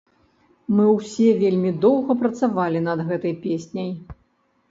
Мы ўсе вельмі доўга працавалі над гэтай песняй.